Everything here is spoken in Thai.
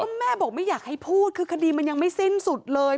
ก็แม่บอกไม่อยากให้พูดคือคดีมันยังไม่สิ้นสุดเลย